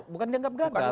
bukan dianggap gagal